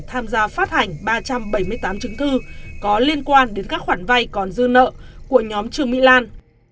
tham gia phát hành ba trăm bảy mươi tám chứng thư có liên quan đến các khoản vay còn dư nợ của nhóm trương mỹ lan